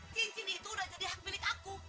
cincin itu udah jadi hak milik aku